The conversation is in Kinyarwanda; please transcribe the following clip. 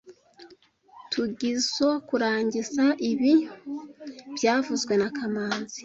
Tugizoe kurangiza ibi byavuzwe na kamanzi